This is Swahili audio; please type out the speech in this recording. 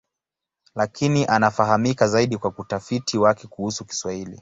Lakini anafahamika zaidi kwa utafiti wake kuhusu Kiswahili.